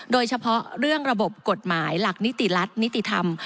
โดยเฉพาะเรื่องระบบกฎหมายหลักนิติรัฐนิติธรรม